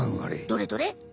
どれどれ？